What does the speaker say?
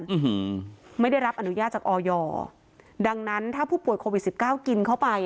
อืมไม่ได้รับอนุญาตจากออยดังนั้นถ้าผู้ป่วยโควิดสิบเก้ากินเข้าไป